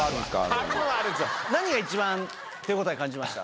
何が一番手応え感じました？